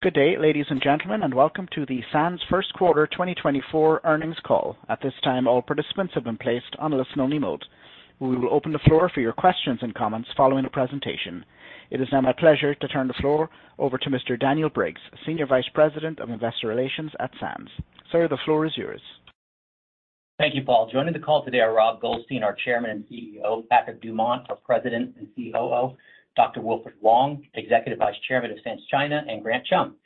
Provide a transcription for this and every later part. Good day, ladies and gentlemen, and welcome to the Sands first quarter 2024 earnings call. At this time, all participants have been placed on a listen-only mode. We will open the floor for your questions and comments following the presentation. It is now my pleasure to turn the floor over to Mr. Daniel Briggs, Senior Vice President of Investor Relations at Sands. Sir, the floor is yours. Thank you, Paul. Joining the call today are Rob Goldstein, our Chairman and CEO, Patrick Dumont, our President and COO, Dr. Wilfred Wong, Executive Vice Chairman of Sands China, and Grant Chum,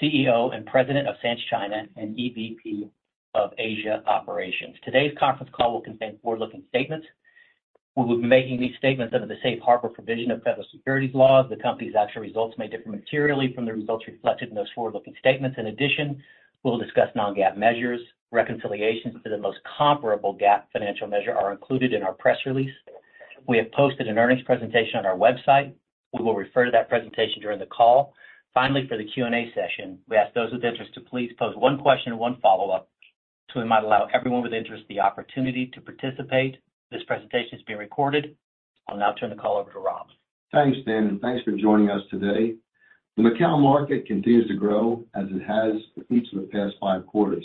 CEO and President of Sands China and EVP of Asia Operations. Today's conference call will contain forward-looking statements. We will be making these statements under the safe harbor provision of federal securities laws. The company's actual results may differ materially from the results reflected in those forward-looking statements. In addition, we'll discuss non-GAAP measures. Reconciliations to the most comparable GAAP financial measure are included in our press release. We have posted an earnings presentation on our website. We will refer to that presentation during the call. Finally, for the Q&A session, we ask those with interest to please pose one question and one follow-up, so we might allow everyone with interest the opportunity to participate. This presentation is being recorded. I'll now turn the call over to Rob. Thanks, Dan, and thanks for joining us today. The Macao market continues to grow, as it has for each of the past five quarters.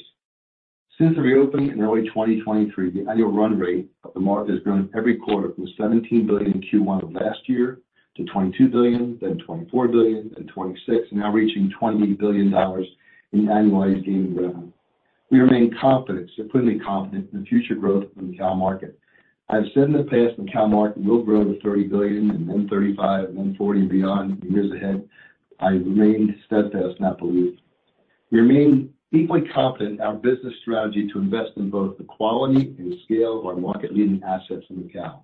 Since the reopening in early 2023, the annual run rate of the market has grown every quarter from $17 billion in Q1 of last year to $22 billion, then $24 billion, then $26 billion, now reaching $28 billion in annualized gaming revenue. We remain confident, completely confident in the future growth of the Macao market. I've said in the past, the Macao market will grow to $30 billion and then $35 billion, and then $40 billion and beyond in the years ahead. I remain steadfast in that belief. We remain equally confident in our business strategy to invest in both the quality and scale of our market-leading assets in Macao.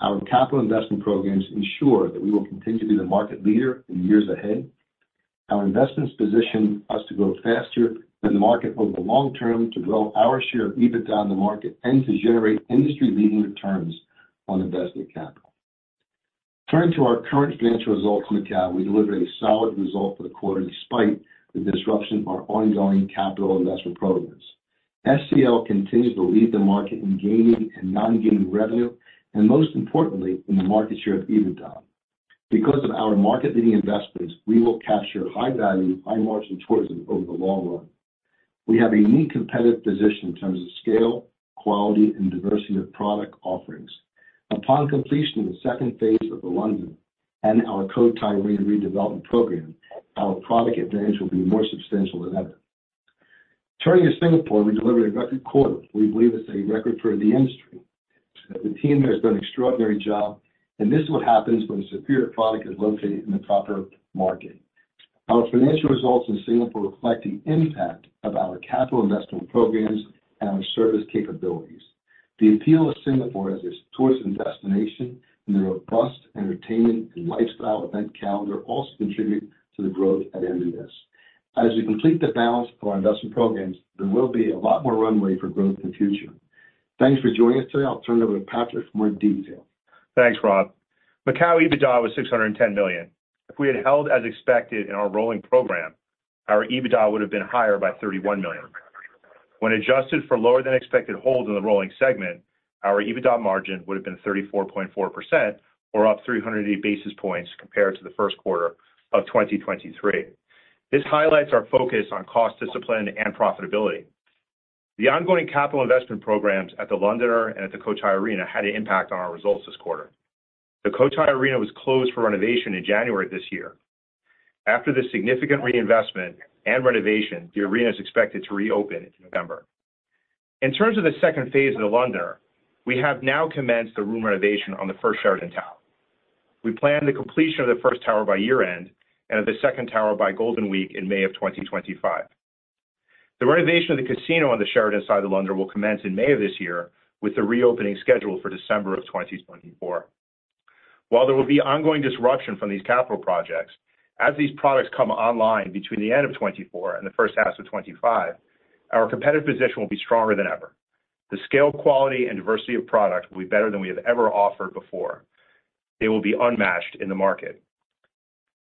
Our capital investment programs ensure that we will continue to be the market leader in the years ahead. Our investments position us to grow faster than the market over the long term, to grow our share of EBITDA in the market, and to generate industry-leading returns on invested capital. Turning to our current financial results in Macao, we delivered a solid result for the quarter, despite the disruption of our ongoing capital investment programs. SCL continues to lead the market in gaming and non-gaming revenue, and most importantly, in the market share of EBITDA. Because of our market-leading investments, we will capture high-value, high-margin tourism over the long run. We have a unique competitive position in terms of scale, quality, and diversity of product offerings. Upon completion of the second phase of The Londoner and our Cotai redevelopment program, our product advantage will be more substantial than ever. Turning to Singapore, we delivered a record quarter. We believe it's a record for the industry. The team there has done an extraordinary job, and this is what happens when a superior product is located in the proper market. Our financial results in Singapore reflect the impact of our capital investment programs and our service capabilities. The appeal of Singapore as a tourism destination and the robust entertainment and lifestyle event calendar also contribute to the growth at MBS. As we complete the balance of our investment programs, there will be a lot more runway for growth in the future. Thanks for joining us today. I'll turn it over to Patrick for more detail. Thanks, Rob. Macao EBITDA was $610 million. If we had held as expected in our rolling program, our EBITDA would have been higher by $31 million. When adjusted for lower than expected holds in the rolling segment, our EBITDA margin would have been 34.4% or up 380 basis points compared to the first quarter of 2023. This highlights our focus on cost discipline and profitability. The ongoing capital investment programs at The Londoner and at the Cotai Arena had an impact on our results this quarter. The Cotai Arena was closed for renovation in January this year. After this significant reinvestment and renovation, the arena is expected to reopen in November. In terms of the second phase of The Londoner, we have now commenced the room renovation on the first Sheraton tower. We plan the completion of the first tower by year-end and of the second tower by Golden Week in May 2025. The renovation of the casino on the Sheraton side of The Londoner will commence in May of this year, with the reopening scheduled for December 2024. While there will be ongoing disruption from these capital projects, as these products come online between the end of 2024 and the first half of 2025, our competitive position will be stronger than ever. The scale, quality and diversity of product will be better than we have ever offered before. They will be unmatched in the market.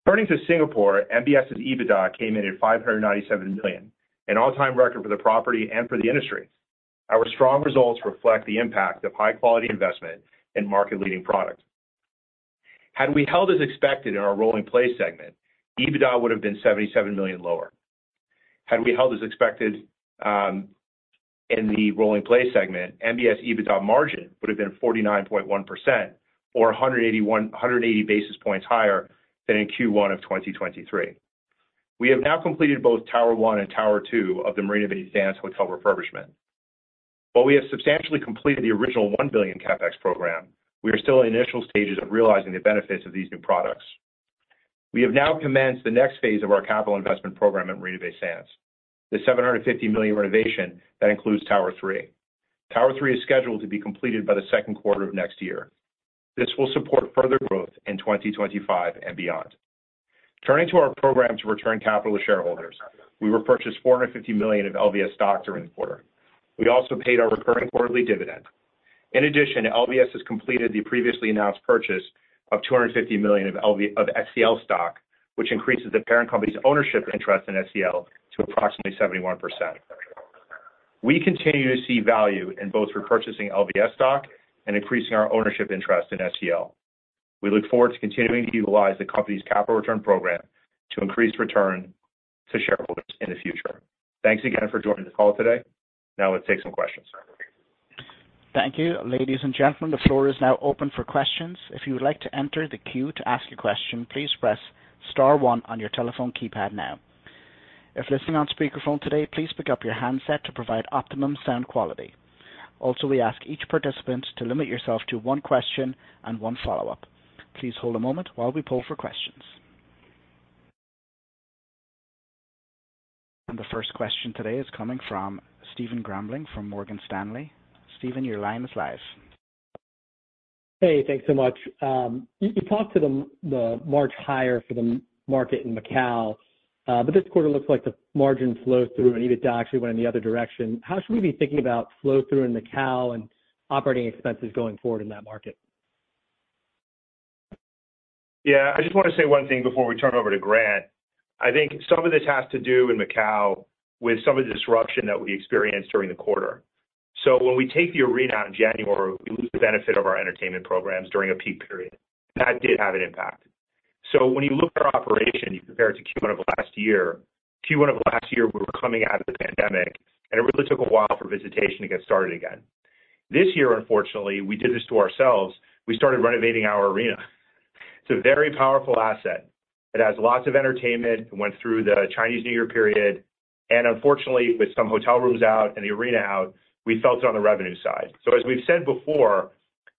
Turning to Singapore, MBS's EBITDA came in at $597 million, an all-time record for the property and for the industry. Our strong results reflect the impact of high-quality investment and market-leading products. Had we held as expected in our rolling play segment, EBITDA would have been $77 million lower. Had we held as expected in the rolling play segment, MBS EBITDA margin would have been 49.1% or 180 basis points higher than in Q1 of 2023. We have now completed both Tower 1 and Tower 2 of the Marina Bay Sands hotel refurbishment. While we have substantially completed the original $1 billion CapEx program, we are still in the initial stages of realizing the benefits of these new products. We have now commenced the next phase of our capital investment program at Marina Bay Sands, the $750 million renovation that includes Tower 3. Tower 3 is scheduled to be completed by the second quarter of next year. This will support further growth in 2025 and beyond. Turning to our program to return capital to shareholders, we repurchased $450 million of LVS stock during the quarter. We also paid our recurring quarterly dividend. In addition, LVS has completed the previously announced purchase of $250 million of LVS of SCL stock, which increases the parent company's ownership interest in SCL to approximately 71%. We continue to see value in both repurchasing LVS stock and increasing our ownership interest in SCL. We look forward to continuing to utilize the company's capital return program to increase return to shareholders in the future. Thanks again for joining the call today. Now let's take some questions. Thank you. Ladies and gentlemen, the floor is now open for questions. If you would like to enter the queue to ask a question, please press star one on your telephone keypad now. If listening on speaker phone today, please pick up your handset to provide optimum sound quality. Also, we ask each participant to limit yourself to one question and one follow-up. Please hold a moment while we poll for questions. The first question today is coming from Stephen Grambling from Morgan Stanley. Steven, your line is live. Hey, thanks so much. You talked about the margins higher for the mass market in Macau, but this quarter looks like the margin flow-through and EBITDA actually went in the other direction. How should we be thinking about flow-through in Macau and operating expenses going forward in that market? Yeah, I just want to say one thing before we turn it over to Grant. I think some of this has to do in Macao with some of the disruption that we experienced during the quarter. So when we take the arena out in January, we lose the benefit of our entertainment programs during a peak period. That did have an impact. So when you look at our operation, you compare it to Q1 of last year, Q1 of last year, we were coming out of the pandemic, and it really took a while for visitation to get started again. This year, unfortunately, we did this to ourselves. We started renovating our arena. It's a very powerful asset. It has lots of entertainment. It went through the Chinese New Year period, and unfortunately, with some hotel rooms out and the arena out, we felt it on the revenue side. So as we've said before,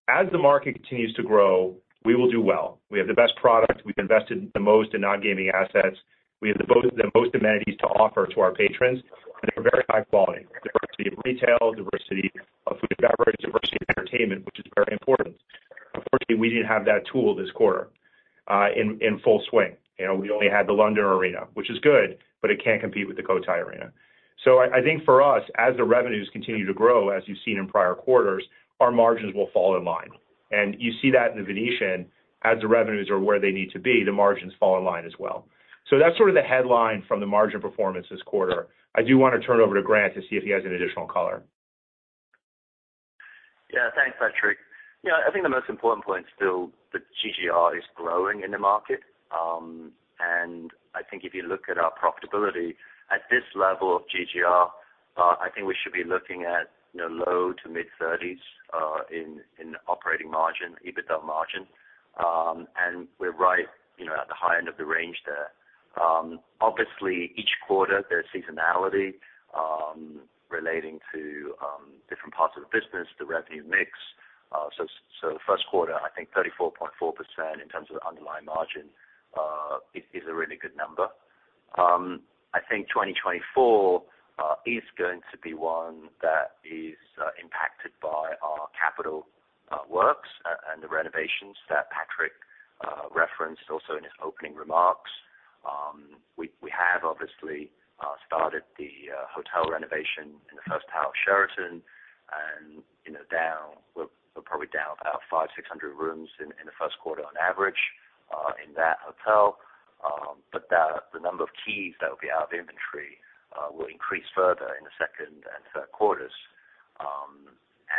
as the market continues to grow, we will do well. We have the best product. We've invested the most in non-gaming assets. We have the most amenities to offer to our patrons, and they're very high quality. Diversity of retail, diversity of food and beverage, diversity of entertainment, which is very important. Unfortunately, we didn't have that tool this quarter in full swing. You know, we only had the Londoner Arena, which is good, but it can't compete with the Cotai Arena. So I think for us, as the revenues continue to grow, as you've seen in prior quarters, our margins will fall in line. And you see that in the Venetian. As the revenues are where they need to be, the margins fall in line as well. So that's sort of the headline from the margin performance this quarter. I do want to turn it over to Grant to see if he has any additional color. Yeah. Thanks, Patrick. Yeah, I think the most important point is still the GGR is growing in the market. And I think if you look at our profitability at this level of GGR, I think we should be looking at, you know, low-to-mid 30s in operating margin, EBITDA margin. And we're right, you know, at the high end of the range there. Obviously, each quarter, there's seasonality relating to different parts of the business, the revenue mix. So the first quarter, I think 34.4% in terms of the underlying margin is a really good number. I think 2024 is going to be one that is impacted by our capital works and the renovations that Patrick referenced also in his opening remarks. We have obviously started the hotel renovation in the first half of Sheraton, and, you know, down—we're probably down about 500-600 rooms in the first quarter on average, in that hotel. But the number of keys that will be out of inventory will increase further in the second and third quarters.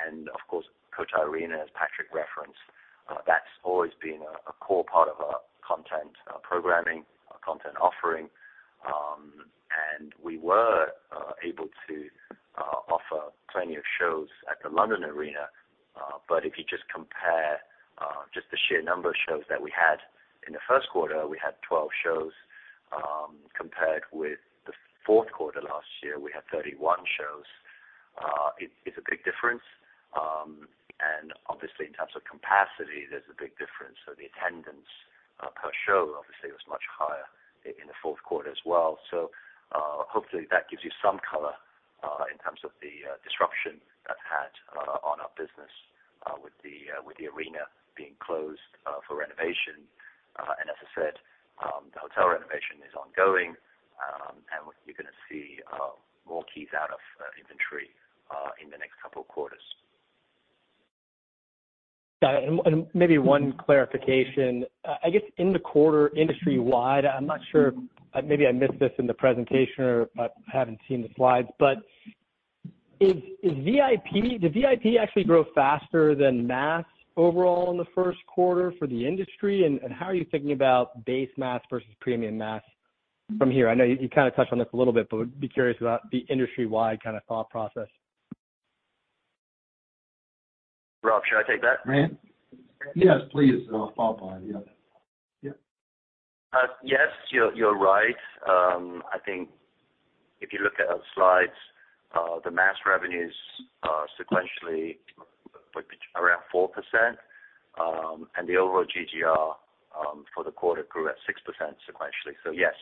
And of course, Cotai Arena, as Patrick referenced, that's always been a core part of our content programming, our content offering. And we were able to offer plenty of shows at the Londoner Arena. But if you just compare just the sheer number of shows that we had in the first quarter, we had 12 shows, compared with the fourth quarter last year, we had 31 shows. It's a big difference. And obviously, in terms of capacity, there's a big difference. So the attendance, per show, obviously, was much higher in the fourth quarter as well. So, hopefully, that gives you some color, in terms of the, disruption that had, on our business, with the, with the arena being closed, for renovation. And as I said, the hotel renovation is ongoing, and you're gonna see, more keys out of, inventory, in the next couple of quarters. Got it. And maybe one clarification. I guess in the quarter, industry-wide, I'm not sure, maybe I missed this in the presentation or, but I haven't seen the slides. But is VIP—did VIP actually grow faster than mass overall in the first quarter for the industry? And how are you thinking about base mass versus premium mass from here? I know you kind of touched on this a little bit, but I would be curious about the industry-wide kind of thought process. Rob, should I take that? Grant? Yes, please, follow on, yeah. Yeah. Yes, you're right. I think if you look at our slides, the mass revenues sequentially were around 4%, and the overall GGR for the quarter grew at 6% sequentially. So yes,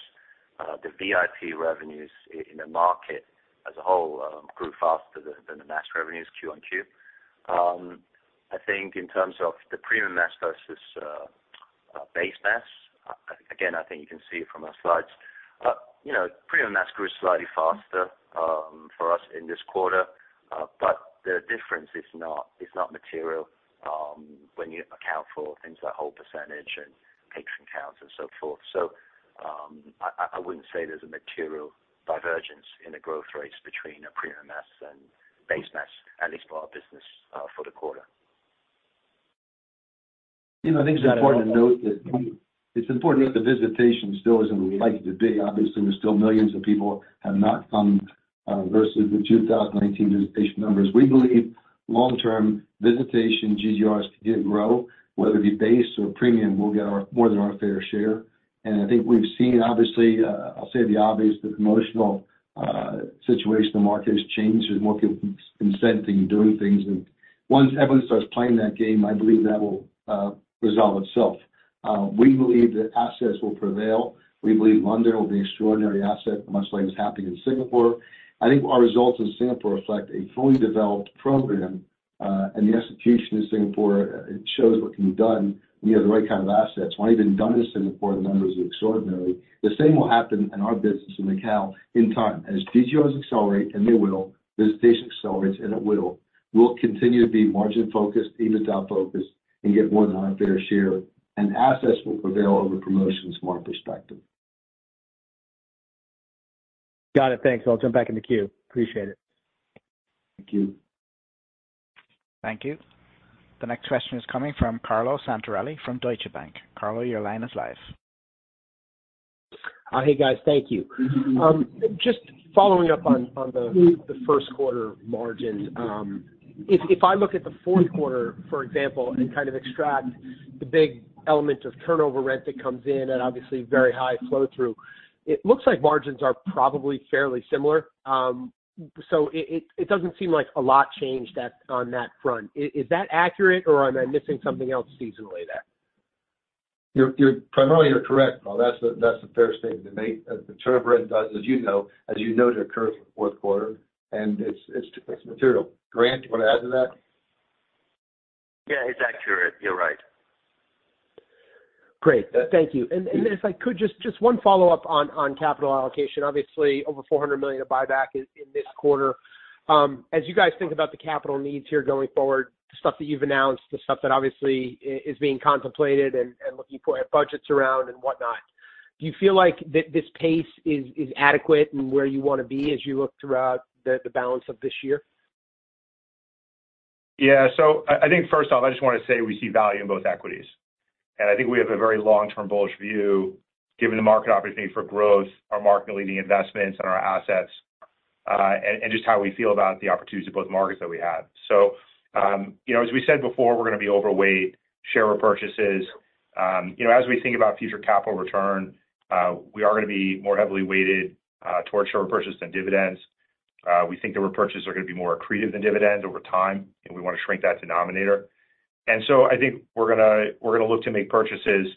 the VIP revenues in the market as a whole grew faster than the mass revenues Q1 QoQ. I think in terms of the premium mass versus base mass, again, I think you can see it from our slides. You know, premium mass grew slightly faster for us in this quarter. But the difference is not material when you account for things like hold percentage and patron counts and so forth. I wouldn't say there's a material divergence in the growth rates between a premium mass and base mass, at least for our business, for the quarter. You know, I think it's important to note that it's important that the visitation still isn't what we'd like it to be. Obviously, there's still millions of people have not come versus the 2019 visitation numbers. We believe long-term visitation GGRs to get grow, whether it be base or premium, we'll get our—more than our fair share. And I think we've seen, obviously, I'll say the obvious, the promotional situation, the market has changed. There's more people consenting and doing things. And once everyone starts playing that game, I believe that will resolve itself. We believe that assets will prevail. We believe Londoner will be an extraordinary asset, much like is happening in Singapore. I think our results in Singapore reflect a fully developed program, and the execution in Singapore, it shows what can be done when you have the right kind of assets. What I've done in Singapore, the numbers are extraordinary. The same will happen in our business in Macao in time. As GGRs accelerate, and they will, visitation accelerates, and it will, we'll continue to be margin-focused, EBITDA-focused, and get more than our fair share, and assets will prevail over promotions from our perspective. Got it. Thanks. I'll jump back in the queue. Appreciate it. Thank you. Thank you. The next question is coming from Carlo Santarelli, from Deutsche Bank. Carlo, your line is live. Hey, guys, thank you. Just following up on the first quarter margins. If I look at the fourth quarter, for example, and kind of extract the big element of turnover rent that comes in and obviously very high flow-through, it looks like margins are probably fairly similar. So it doesn't seem like a lot changed that on that front. Is that accurate or am I missing something else seasonally there? You're primarily correct, Carlo. That's the fair statement to make. The turnover rent does, as you know, occur in the fourth quarter, and it's material. Grant, you want to add to that? Yeah, it's accurate. You're right. Great. Thank you. And if I could, just one follow-up on capital allocation. Obviously, over $400 million of buyback in this quarter. As you guys think about the capital needs here going forward, the stuff that you've announced, the stuff that obviously is being contemplated and looking for budgets around and whatnot, do you feel like this pace is adequate and where you want to be as you look throughout the balance of this year? Yeah. So I think first off, I just wanna say we see value in both equities, and I think we have a very long-term bullish view, given the market opportunity for growth, our market-leading investments and our assets, and just how we feel about the opportunities of both markets that we have. So, you know, as we said before, we're gonna be overweight share repurchases. You know, as we think about future capital return, we are gonna be more heavily weighted towards share repurchases than dividends. We think the repurchases are gonna be more accretive than dividends over time, and we wanna shrink that denominator. And so I think we're gonna look to make purchases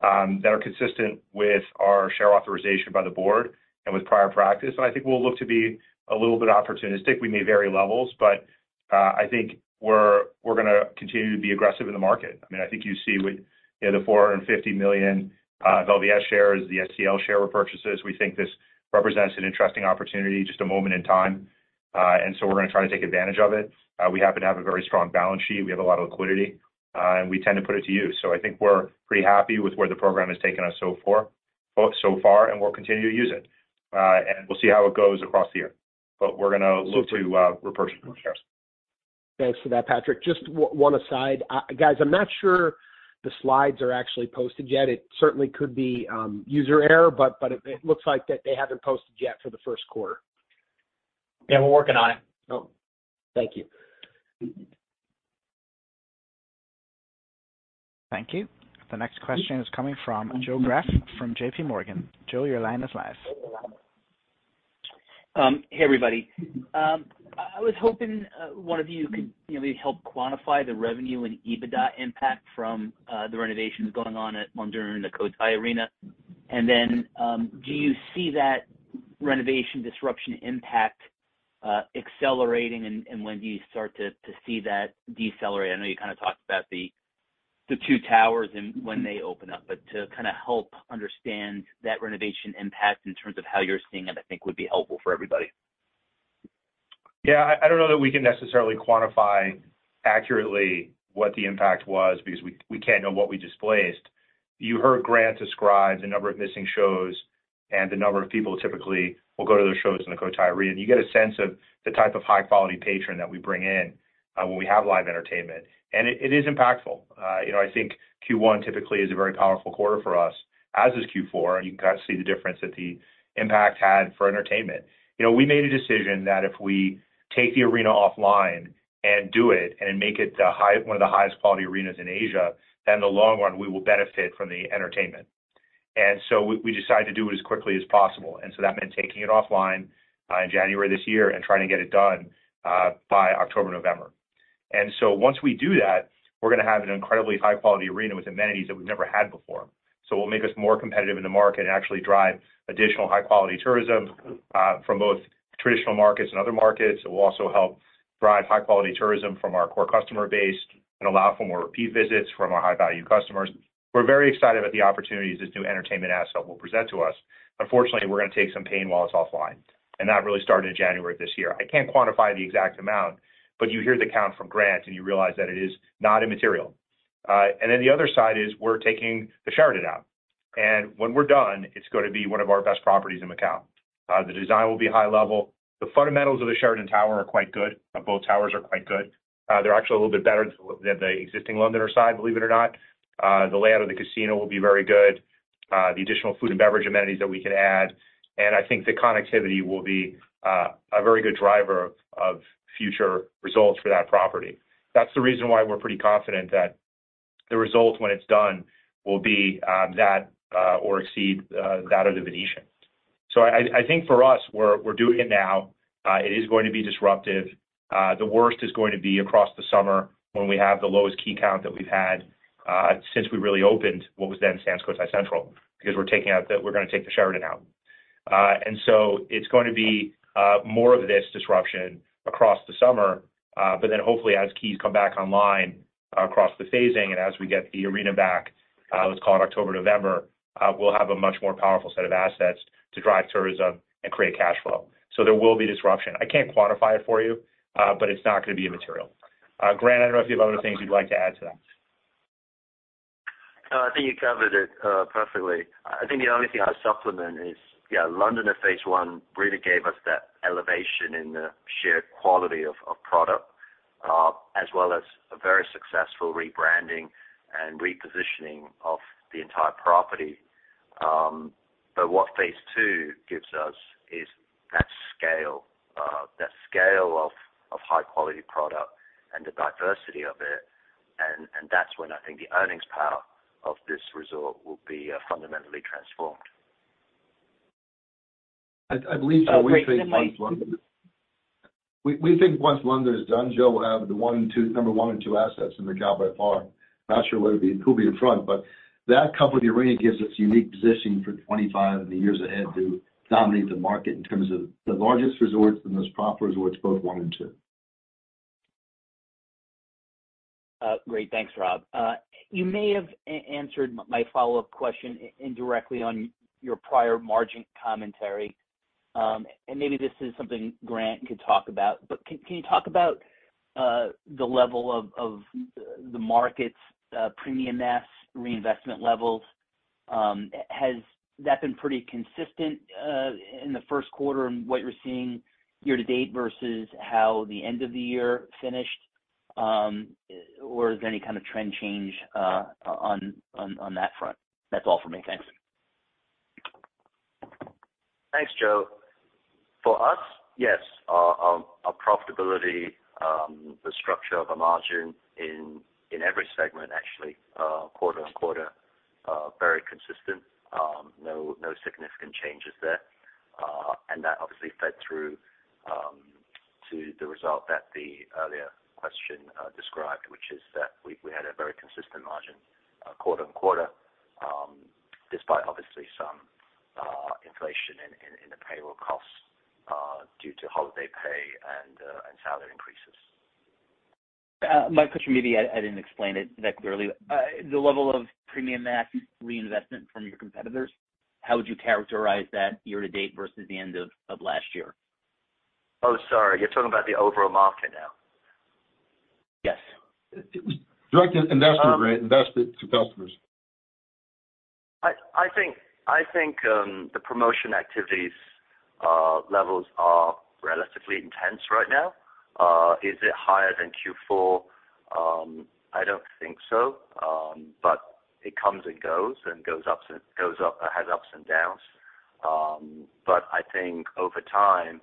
that are consistent with our share authorization by the board and with prior practice. I think we'll look to be a little bit opportunistic. We may vary levels, but I think we're gonna continue to be aggressive in the market. I mean, I think you see with, you know, the $450 million of LVS shares, the SCL share repurchases. We think this represents an interesting opportunity, just a moment in time, and so we're gonna try to take advantage of it. We happen to have a very strong balance sheet. We have a lot of liquidity, and we tend to put it to use. So I think we're pretty happy with where the program has taken us so far, both so far, and we'll continue to use it. And we'll see how it goes across the year. But we're gonna look to repurchase more shares. Thanks for that, Patrick. Just one aside. Guys, I'm not sure the slides are actually posted yet. It certainly could be user error, but it looks like that they haven't posted yet for the first quarter. Yeah, we're working on it. Oh, thank you. Thank you. The next question is coming from Joe Greff from JP Morgan. Joe, your line is live. Hey, everybody. I was hoping one of you could maybe help quantify the revenue and EBITDA impact from the renovations going on at London and the Cotai Arena. And then, do you see that renovation disruption impact accelerating? And when do you start to see that decelerate? I know you kind of talked about the two towers and when they open up, but to kind of help understand that renovation impact in terms of how you're seeing it, I think would be helpful for everybody. Yeah, I don't know that we can necessarily quantify accurately what the impact was because we can't know what we displaced. You heard Grant describe the number of missing shows and the number of people typically will go to those shows in the Cotai Arena, and you get a sense of the type of high-quality patron that we bring in when we have live entertainment. And it is impactful. You know, I think Q1 typically is a very powerful quarter for us, as is Q4, and you can kind of see the difference that the impact had for entertainment. You know, we made a decision that if we take the arena offline and do it and make it one of the highest quality arenas in Asia, then the long run, we will benefit from the entertainment. And so we decided to do it as quickly as possible, and so that meant taking it offline in January this year and trying to get it done by October, November. And so once we do that, we're gonna have an incredibly high-quality arena with amenities that we've never had before. So it'll make us more competitive in the market and actually drive additional high-quality tourism from both traditional markets and other markets. It will also help drive high-quality tourism from our core customer base and allow for more repeat visits from our high-value customers. We're very excited about the opportunities this new entertainment asset will present to us. Unfortunately, we're gonna take some pain while it's offline, and that really started in January of this year. I can't quantify the exact amount, but you hear the count from Grant, and you realize that it is not immaterial. Then the other side is we're taking the Sheraton out. And when we're done, it's going to be one of our best properties in Macao. The design will be high level. The fundamentals of the Sheraton Tower are quite good, both towers are quite good. They're actually a little bit better than the existing Londoner side, believe it or not. The layout of the casino will be very good, the additional food and beverage amenities that we can add, and I think the connectivity will be a very good driver of future results for that property. That's the reason why we're pretty confident that the results, when it's done, will be that or exceed that of the Venetian. So I think for us, we're doing it now. It is going to be disruptive. The worst is going to be across the summer, when we have the lowest key count that we've had since we really opened what was then Sands Cotai Central, because we're taking out the-- we're going to take the Sheraton out. And so it's going to be more of this disruption across the summer, but then hopefully, as keys come back online across the phasing and as we get the arena back, let's call it October, November, we'll have a much more powerful set of assets to drive tourism and create cash flow. So there will be disruption. I can't quantify it for you, but it's not going to be immaterial. Grant, I don't know if you have other things you'd like to add to that. No, I think you covered it perfectly. I think the only thing I'd supplement is, yeah, Londoner phase I really gave us that elevation in the sheer quality of product, as well as a very successful rebranding and repositioning of the entire property. But what phase II gives us is that scale, that scale of high-quality product and the diversity of it. And that's when I think the earnings power of this resort will be fundamentally transformed. I believe, Joe, we think once London- Great, then my- We think once London is done, Joe, we'll have the one and two, number one and two assets in Macao by far. Not sure whether it be, who'll be in front, but that, coupled with the arena, gives us unique positioning for 25, in the years ahead, to dominate the market in terms of the largest resorts and those proper resorts, both one and two. Great. Thanks, Rob. You may have answered my follow-up question indirectly on your prior margin commentary. And maybe this is something Grant could talk about, but can you talk about the level of the market's premium-ness, reinvestment levels? Has that been pretty consistent in the first quarter and what you're seeing year to date versus how the end of the year finished, or is there any kind of trend change on that front? That's all for me. Thanks. Thanks, Joe. For us, yes, our profitability, the structure of a margin in every segment, actually, quarter-on-quarter, very consistent. No significant changes there. And that obviously fed through to the result that the earlier question described, which is that we had a very consistent margin quarter-on-quarter, despite obviously some inflation in the payroll costs due to holiday pay and salary increases. My question maybe I didn't explain it that clearly. The level of premium-ness reinvestment from your competitors, how would you characterize that year to date versus the end of last year? Oh, sorry, you're talking about the overall market now? Yes. It was direct investment, right? Investment to customers. I think the promotion activities levels are relatively intense right now. Is it higher than Q4? I don't think so, but it comes and goes, has ups and downs. But I think over time,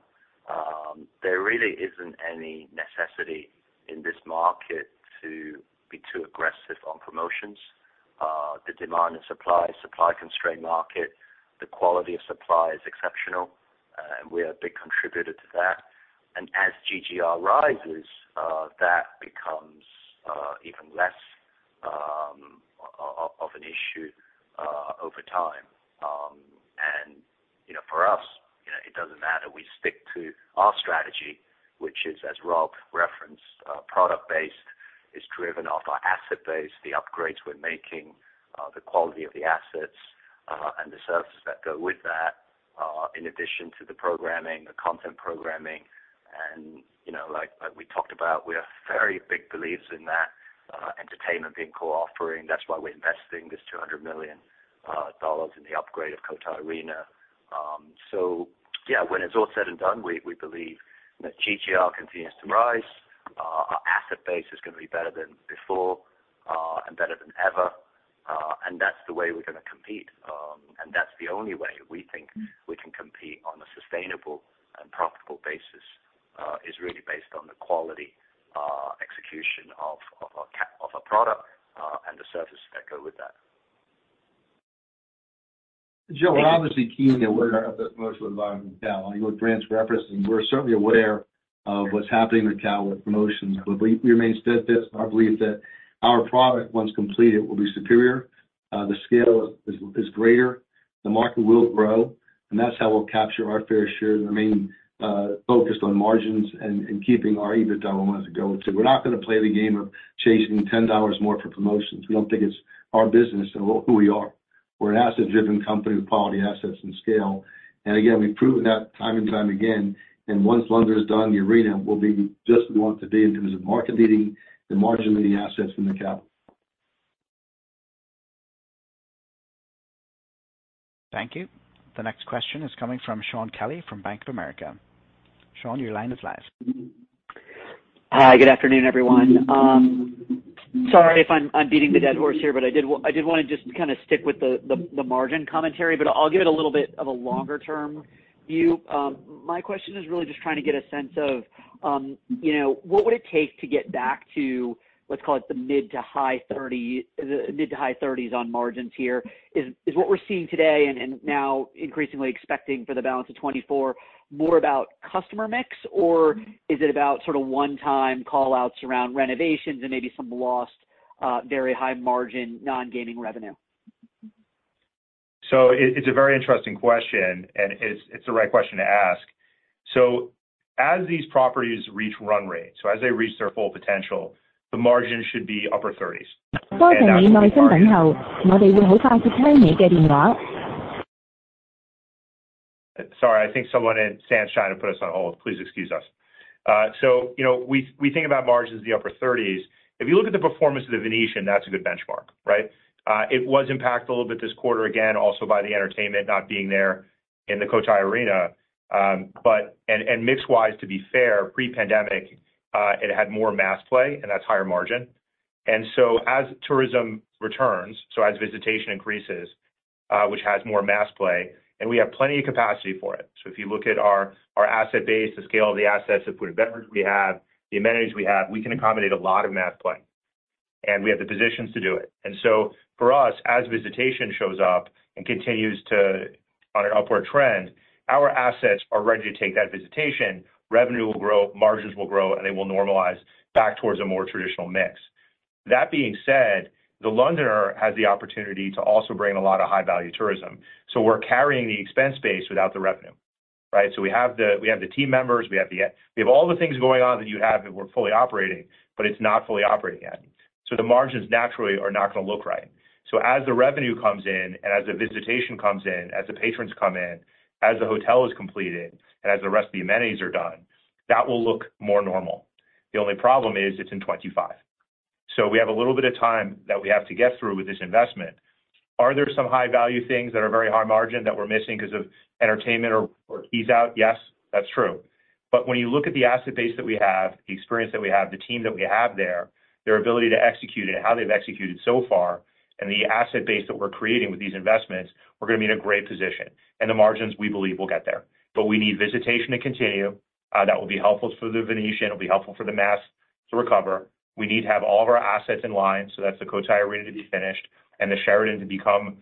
there really isn't any necessity in this market to be too aggressive on promotions. The demand and supply, supply-constrained market, the quality of supply is exceptional, and we are a big contributor to that. And as GGR rises, that becomes even less of an issue over time. And, you know, for us, you know, it doesn't matter. We stick to our strategy, which is, as Rob referenced, product-based, is driven off our asset base, the upgrades we're making, the quality of the assets, and the services that go with that, in addition to the programming, the content programming. And, you know, like, like we talked about, we are very big believers in that, entertainment being core offering. That's why we're investing this $200 million in the upgrade of Cotai Arena. So yeah, when it's all said and done, we, we believe that GGR continues to rise, our asset base is going to be better than before, and better than ever. And that's the way we're going to compete. That's the only way we think we can compete on a sustainable and profitable basis, is really based on the quality, execution of our product, and the services that go with that. Joe, we're obviously keen aware of the promotional environment in Macao. What Grant's referencing, we're certainly aware of what's happening in Macao with promotions. But we remain steadfast in our belief that our product, once completed, will be superior, the scale is greater, the market will grow, and that's how we'll capture our fair share. And remain focused on margins and keeping our EBITDA where we want it to go. We're not going to play the game of chasing $10 more for promotions. We don't think it's our business or who we are. We're an asset-driven company with quality assets and scale. And again, we've proven that time and time again, and once London is done, the arena will be just what it wants to be in terms of market leading, the margin leading assets in the capital. Thank you. The next question is coming from Shaun Kelley from Bank of America. Shaun, your line is live. Hi, good afternoon, everyone. Sorry if I'm beating the dead horse here, but I did wanna just kind of stick with the margin commentary, but I'll give it a little bit of a longer term view. My question is really just trying to get a sense of, you know, what would it take to get back to, let's call it, the mid- to high-30, the mid- to high-30s on margins here? Is what we're seeing today and now increasingly expecting for the balance of 2024 more about customer mix, or is it about sort of one-time call-outs around renovations and maybe some lost very high margin non-gaming revenue? So it's a very interesting question, and it's the right question to ask. So as these properties reach run rate, so as they reach their full potential, the margin should be upper 30s. Sorry, I think someone in Sands China put us on hold. Please excuse us. So, you know, we think about margins in the upper 30s. If you look at the performance of the Venetian, that's a good benchmark, right? It was impacted a little bit this quarter, again, also by the entertainment not being there in the Cotai Arena. But... and mix-wise, to be fair, pre-pandemic, it had more mass play, and that's higher margin. And so as tourism returns, so as visitation increases, which has more mass play, and we have plenty of capacity for it. So if you look at our, our asset base, the scale of the assets, the food and beverage we have, the amenities we have, we can accommodate a lot of mass play, and we have the positions to do it. And so for us, as visitation shows up and continues to, on an upward trend, our assets are ready to take that visitation. Revenue will grow, margins will grow, and they will normalize back towards a more traditional mix. That being said, the Londoner has the opportunity to also bring a lot of high-value tourism. So we're carrying the expense base without the revenue, right? So we have the, we have the team members, we have all the things going on that you'd have if we're fully operating, but it's not fully operating yet. So the margins naturally are not gonna look right. So as the revenue comes in, and as the visitation comes in, as the patrons come in, as the hotel is completed, and as the rest of the amenities are done, that will look more normal. The only problem is it's in 2025. So we have a little bit of time that we have to get through with this investment. Are there some high-value things that are very high margin that we're missing because of entertainment or, or ease out? Yes, that's true. But when you look at the asset base that we have, the experience that we have, the team that we have there, their ability to execute and how they've executed so far, and the asset base that we're creating with these investments, we're gonna be in a great position, and the margins, we believe, will get there. But we need visitation to continue, that will be helpful for the Venetian, it'll be helpful for the mass to recover. We need to have all of our assets in line, so that's the Cotai Arena to be finished and the Sheraton to become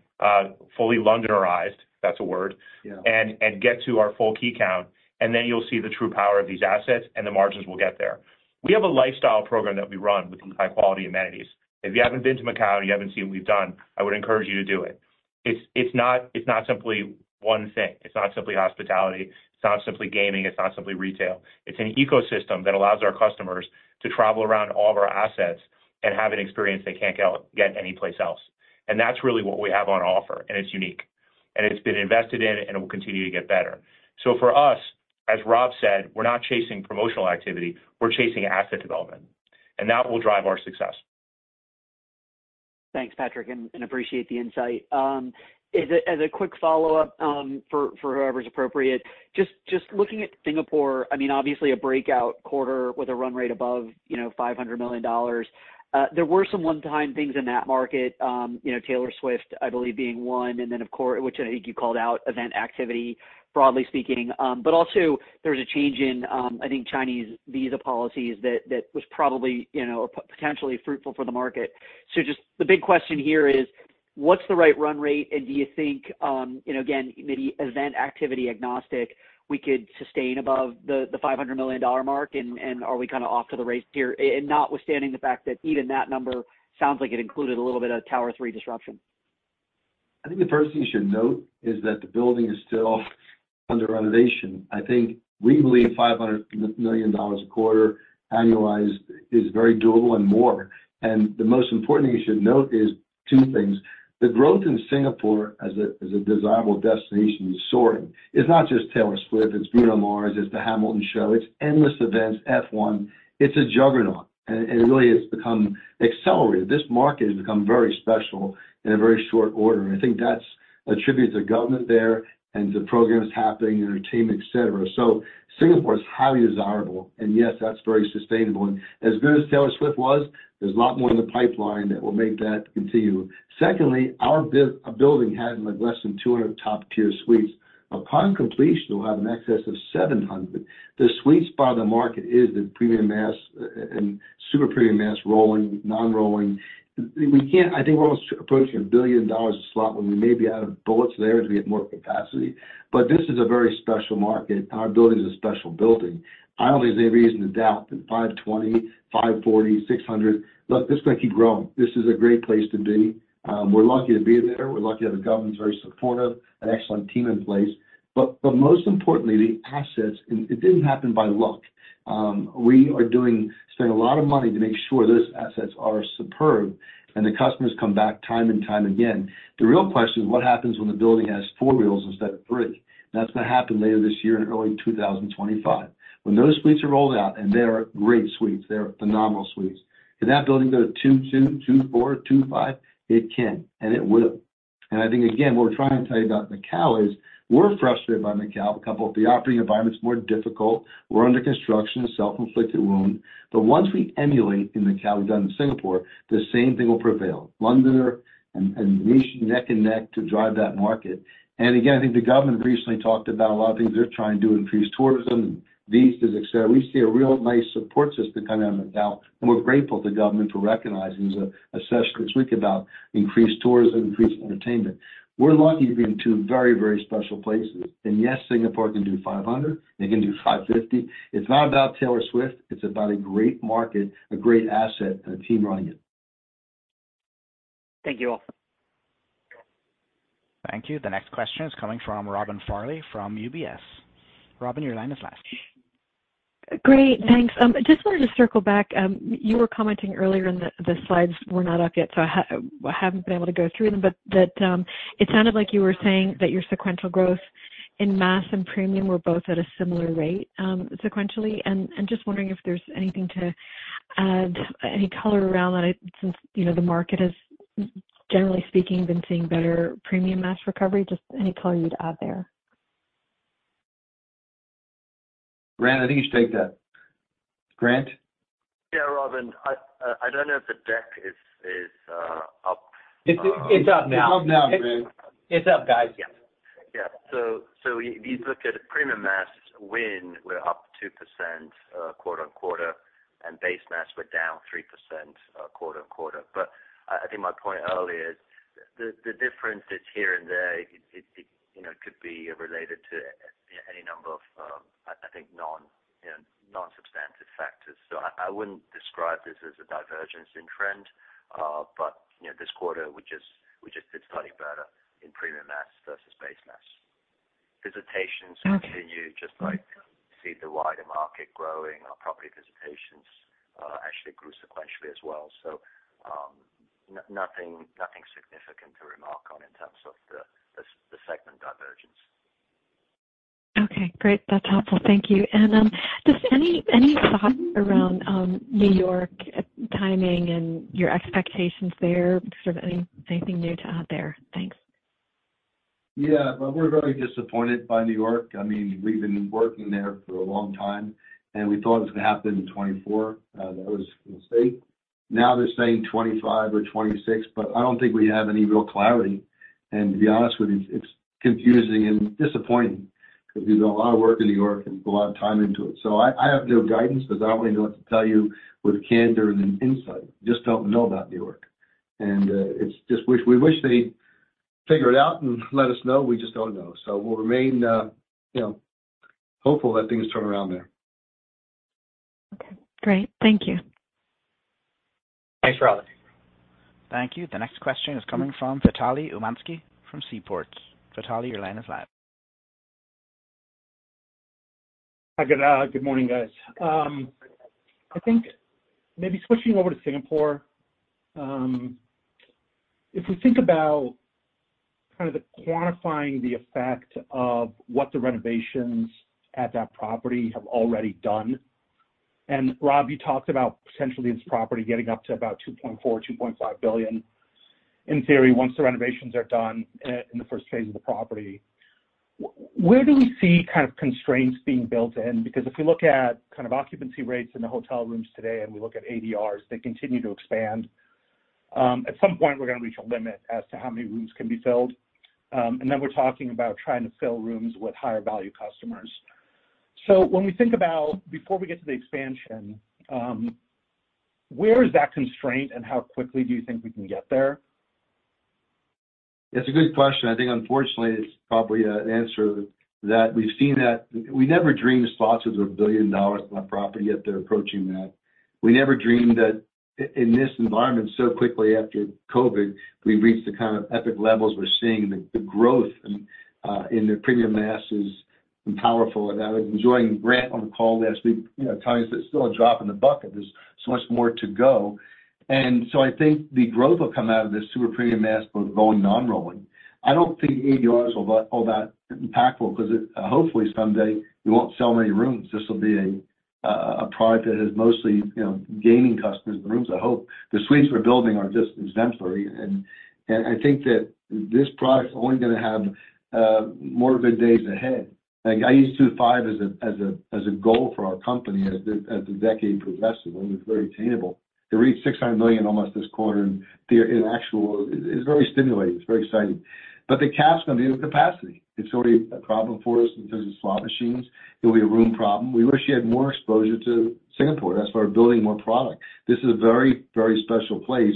fully Londoner-ized. If that's a word- Yeah. get to our full key count, and then you'll see the true power of these assets, and the margins will get there. We have a lifestyle program that we run with high-quality amenities. If you haven't been to Macao, and you haven't seen what we've done, I would encourage you to do it. It's not simply one thing. It's not simply hospitality, it's not simply gaming, it's not simply retail. It's an ecosystem that allows our customers to travel around all of our assets and have an experience they can't get anyplace else. And that's really what we have on offer, and it's unique, and it's been invested in, and it will continue to get better. So for us, as Rob said, we're not chasing promotional activity, we're chasing asset development, and that will drive our success. Thanks, Patrick, and appreciate the insight. As a quick follow-up, for whoever is appropriate, just looking at Singapore, I mean, obviously a breakout quarter with a run rate above $500 million. There were some one-time things in that market, you know, Taylor Swift, I believe, being one, and then, of course, which I think you called out, event activity, broadly speaking. But also there's a change in, I think, Chinese visa policies that was probably, you know, potentially fruitful for the market. So just the big question here is: What's the right run rate, and do you think, you know, again, maybe event activity agnostic, we could sustain above the $500 million mark? And are we kind of off to the race here? And notwithstanding the fact that even that number sounds like it included a little bit of Tower 3 disruption. I think the first thing you should note is that the building is still under renovation. I think we believe $500 million a quarter annualized is very doable and more. The most important thing you should note is two things: The growth in Singapore as a desirable destination is soaring. It's not just Taylor Swift, it's Bruno Mars, it's the Hamilton show, it's endless events, F1. It's a juggernaut, and really it's become accelerated. This market has become very special in a very short order, and I think that's a tribute to the government there and the programs happening, entertainment, et cetera. So Singapore is highly desirable, and yes, that's very sustainable. And as good as Taylor Swift was, there's a lot more in the pipeline that will make that continue. Secondly, our building has less than 200 top-tier suites. Upon completion, we'll have an excess of 700. The sweet spot in the market is the premium mass, and super premium mass, rolling, non-rolling. We can't—I think we're almost approaching $1 billion a slot, and we may be out of bullets there as we get more capacity. But this is a very special market, and our building is a special building. I don't think there's any reason to doubt that 520, 540, 600... Look, this is going to keep growing. This is a great place to be. We're lucky to be there. We're lucky that the government's very supportive, an excellent team in place. But, but most importantly, the assets, and it didn't happen by luck.... We are doing, spending a lot of money to make sure those assets are superb, and the customers come back time and time again. The real question is, what happens when the building has four wheels instead of three? That's going to happen later this year, in early 2025. When those suites are rolled out, and they are great suites, they're phenomenal suites. Can that building go to $2.2, $2.4, $2.5? It can, and it will. And I think again, what we're trying to tell you about Macao is, we're frustrated by Macao. A couple of the operating environment is more difficult. We're under construction, a self-inflicted wound. But once we emulate in Macao, we've done in Singapore, the same thing will prevail. The Londoner and, and we're neck and neck to drive that market. And again, I think the government recently talked about a lot of things they're trying to do increase tourism and visas, et cetera. We see a real nice support system coming out of Macao, and we're grateful to government for recognizing. There was a session this week about increased tourism, increased entertainment. We're lucky to be in two very, very special places. And yes, Singapore can do $500, they can do $550. It's not about Taylor Swift, it's about a great market, a great asset, and a team running it. Thank you all. Thank you. The next question is coming from Robin Farley from UBS. Robin, your line is last. Great, thanks. I just wanted to circle back. You were commenting earlier, and the slides were not up yet, so I haven't been able to go through them. But that, it sounded like you were saying that your sequential growth in mass and premium were both at a similar rate, sequentially. And just wondering if there's anything to add, any color around that, since, you know, the market has, generally speaking, been seeing better premium mass recovery, just any color you'd add there? Grant, I think you should take that. Grant? Yeah, Robin, I don't know if the deck is up. It's up now. It's up now, Grant. It's up, guys. Yeah. Yeah. So if you look at the premium mass win, we're up 2%, quarter-over-quarter, and base mass, we're down 3%, quarter-over-quarter. But I think my point earlier is the difference is here and there. It you know, could be related to any number of, I think, you know, non-substantive factors. So I wouldn't describe this as a divergence in trend, but, you know, this quarter we just did slightly better in premium mass versus base mass. Visitations continue, just like you see the wider market growing. Our property visitations actually grew sequentially as well. So, nothing significant to remark on in terms of the segment divergence. Okay, great. That's helpful. Thank you. And just any thought around New York timing and your expectations there? Sort of anything new to add there? Thanks. Yeah. Well, we're very disappointed by New York. I mean, we've been working there for a long time, and we thought it was going to happen in 2024. That was a mistake. Now they're saying 2025 or 2026, but I don't think we have any real clarity. And to be honest with you, it's confusing and disappointing because we've done a lot of work in New York and put a lot of time into it. So I, I have no guidance because I don't really know what to tell you with candor and insight. Just don't know about New York. And we wish they'd figure it out and let us know. We just don't know. So we'll remain, you know, hopeful that things turn around there. Okay, great. Thank you. Thanks, Robin. Thank you. The next question is coming from Vitaly Umansky from Seaport. Vitaly, your line is live. Hi, good, good morning, guys. I think maybe switching over to Singapore, if we think about kind of the quantifying the effect of what the renovations at that property have already done, and Rob, you talked about potentially this property getting up to about $2.4 billion-$2.5 billion, in theory, once the renovations are done in the first phase of the property. Where do we see kind of constraints being built in? Because if we look at kind of occupancy rates in the hotel rooms today, and we look at ADRs, they continue to expand. At some point, we're going to reach a limit as to how many rooms can be filled. And then we're talking about trying to fill rooms with higher value customers. So when we think about before we get to the expansion, where is that constraint and how quickly do you think we can get there? That's a good question. I think unfortunately, it's probably an answer that we've seen, that we never dreamed slots with $1 billion on a property, yet they're approaching that. We never dreamed that in this environment, so quickly after COVID, we've reached the kind of epic levels we're seeing. The growth in the premium mass is powerful, and I was enjoying Grant on the call this week. You know, telling us that it's still a drop in the bucket. There's so much more to go. And so I think the growth will come out of this super premium mass, both rolling, non-rolling. I don't think ADRs are all that impactful, because it hopefully someday we won't sell many rooms. This will be a product that is mostly, you know, gaining customers, the rooms. I hope the suites we're building are just exemplary, and, and I think that this product is only going to have more good days ahead. Like, I use 2025 as a, as a, as a goal for our company as the, as the decade progresses, and it's very attainable. To reach $600 million almost this quarter in the, in actual is very stimulating. It's very exciting. But the cap's going to be the capacity. It's already a problem for us in terms of slot machines. It'll be a room problem. We wish we had more exposure to Singapore. That's why we're building more product. This is a very, very special place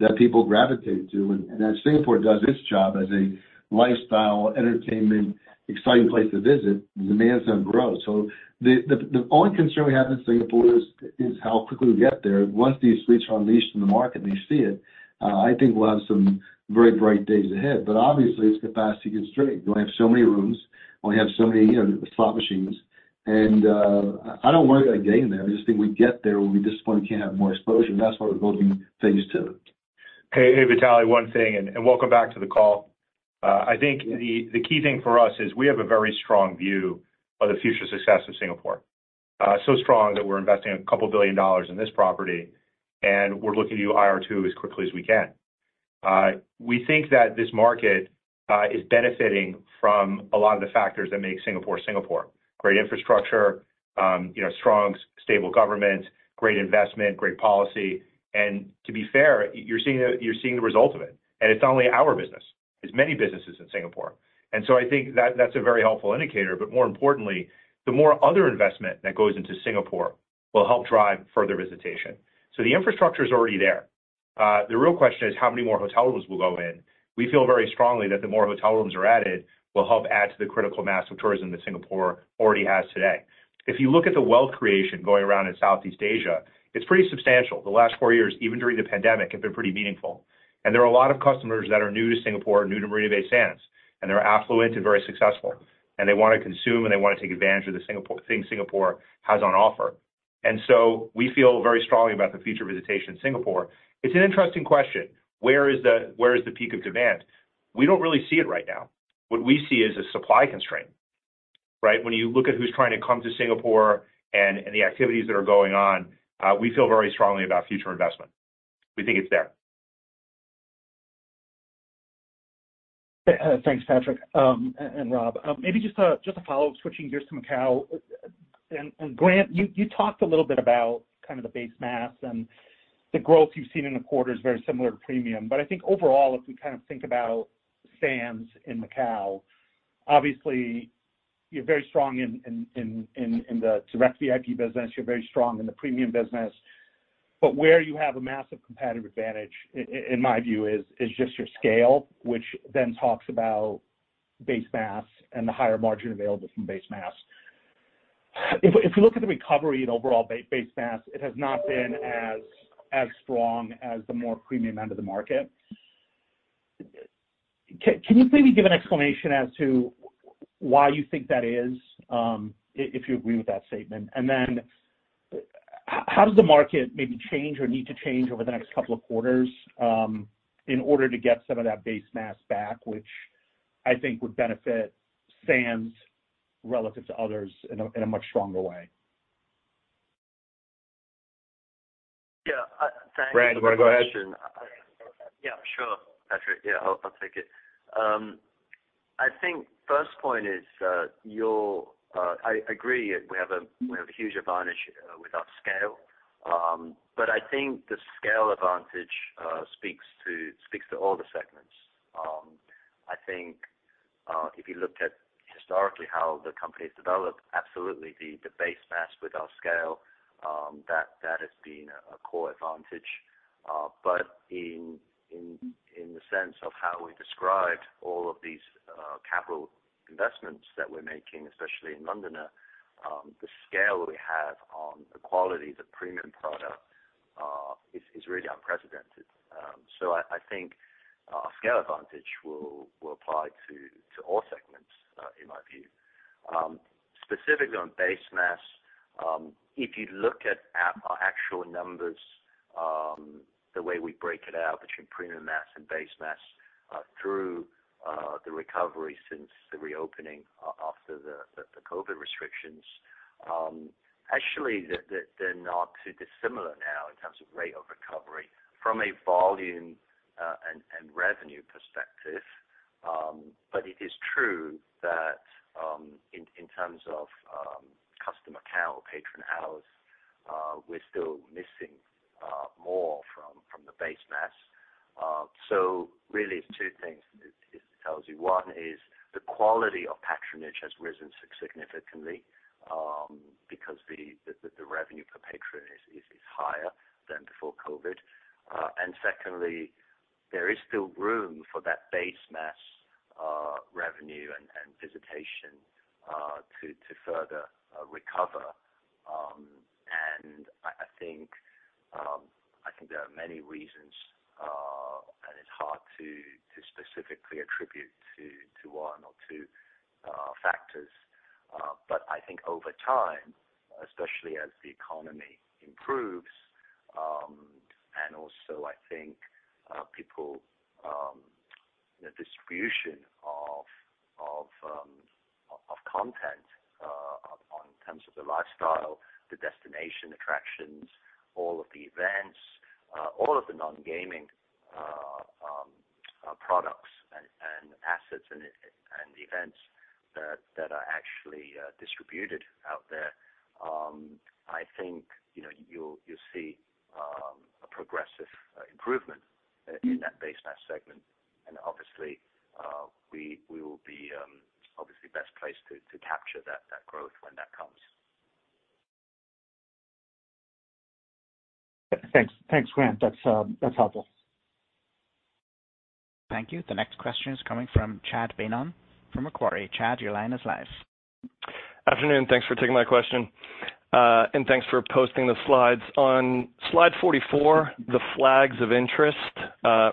that people gravitate to. And, and as Singapore does its job as a lifestyle, entertainment, exciting place to visit, the demand is going to grow. So the only concern we have in Singapore is how quickly we get there. Once these suites are unleashed in the market and you see it, I think we'll have some very bright days ahead. But obviously, it's capacity constrained. You only have so many rooms-... only have so many, you know, slot machines. And I don't worry about getting there. I just think we get there, we'll be disappointed we can't have more exposure, and that's why we're building phase II. Hey, hey, Vitaly, one thing, and welcome back to the call. I think the key thing for us is we have a very strong view of the future success of Singapore. So strong that we're investing $2 billion in this property, and we're looking to do IR2 as quickly as we can. We think that this market is benefiting from a lot of the factors that make Singapore, Singapore. Great infrastructure, you know, strong, stable government, great investment, great policy. And to be fair, you're seeing the result of it. And it's not only our business, it's many businesses in Singapore. And so I think that's a very helpful indicator. But more importantly, the more other investment that goes into Singapore, will help drive further visitation. So the infrastructure is already there. The real question is, how many more hotel rooms will go in? We feel very strongly that the more hotel rooms are added, will help add to the critical mass of tourism that Singapore already has today. If you look at the wealth creation going around in Southeast Asia, it's pretty substantial. The last four years, even during the pandemic, have been pretty meaningful. And there are a lot of customers that are new to Singapore, new to Marina Bay Sands, and they're affluent and very successful, and they wanna consume, and they wanna take advantage of the Singapore things Singapore has on offer. And so we feel very strongly about the future visitation in Singapore. It's an interesting question: Where is the peak of demand? We don't really see it right now. What we see is a supply constraint, right? When you look at who's trying to come to Singapore and the activities that are going on, we feel very strongly about future investment. We think it's there. Thanks, Patrick, and Rob. Maybe just a follow-up, switching gears to Macao. And Grant, you talked a little bit about the base mass and the growth you've seen in the quarter is very similar to premium. But I think overall, if we think about Sands in Macao, obviously, you're very strong in the direct VIP business, you're very strong in the premium business. But where you have a massive competitive advantage, in my view, is just your scale, which then talks about base mass and the higher margin available from base mass. If you look at the recovery in overall base mass, it has not been as strong as the more premium end of the market. Can you maybe give an explanation as to why you think that is, if you agree with that statement? And then, how does the market maybe change or need to change over the next couple of quarters, in order to get some of that base mass back, which I think would benefit Sands relative to others in a much stronger way? Yeah, thanks- Grant, you wanna go ahead? Yeah, sure, Patrick. Yeah, I'll take it. I think first point is, you're ... I agree, we have a huge advantage with our scale. But I think the scale advantage speaks to all the segments. I think if you looked at historically how the company has developed, absolutely, the base mass with our scale has been a core advantage. But in the sense of how we described all of these capital investments that we're making, especially in Londoner, the scale that we have on the quality of the premium product is really unprecedented. So I think scale advantage will apply to all segments in my view. Specifically on base mass, if you look at our actual numbers, the way we break it out between premium mass and base mass, through the recovery since the reopening after the COVID restrictions, actually, they're not too dissimilar now in terms of rate of recovery from a volume and revenue perspective. But it is true that, in terms of customer count or patron count, we're still missing more from the base mass. So really it's two things it tells you. One is the quality of patronage has risen significantly, because the revenue per patron is higher than before COVID. And secondly, there is still room for that base mass revenue and visitation to further recover. And I think there are many reasons, and it's hard to specifically attribute to one or two factors. But I think over time, especially as the economy improves, and also I think the distribution of content in terms of the lifestyle, the destination, attractions, all of the events, all of the non-gaming products and assets and the events that are actually distributed out there, I think, you know, you'll see a progressive improvement in that base mass segment. And obviously, we will be obviously best placed to capture that growth when that comes. Thanks. Thanks, Grant. That's, that's helpful. Thank you. The next question is coming from Chad Beynon from Macquarie. Chad, your line is live. Afternoon. Thanks for taking my question, and thanks for posting the slides. On slide 44, the flags of interest